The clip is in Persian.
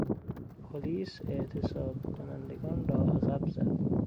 پلیس اعتصاب کنندگان را عقب زد.